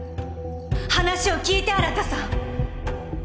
話を聞いて新さん！